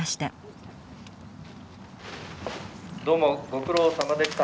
どうもご苦労さまでした。